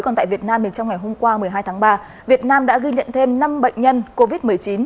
còn tại việt nam mình trong ngày hôm qua một mươi hai tháng ba việt nam đã ghi nhận thêm năm bệnh nhân covid một mươi chín